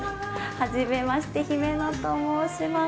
はじめまして姫野と申します。